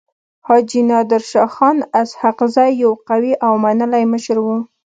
حاجي نادر شاه خان اسحق زی يو قوي او منلی مشر وو.